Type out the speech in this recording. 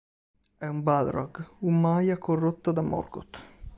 È un Balrog, un Maia corrotto da Morgoth.